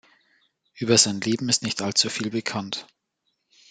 Über sein Leben ist nicht allzu viel bekannt.